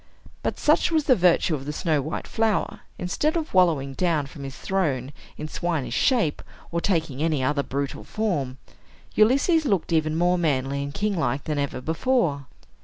But, such was the virtue of the snow white flower, instead of wallowing down from his throne in swinish shape, or taking any other brutal form, Ulysses looked even more manly and king like than before.